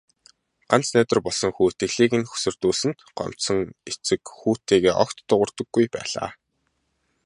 Ганц найдвар болсон хүү итгэлийг нь хөсөрдүүлсэнд гомдсон эцэг хүүтэйгээ огт дуугардаггүй байлаа.